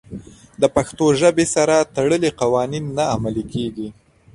د پښتو ژبې سره تړلي قوانین نه عملي کېږي.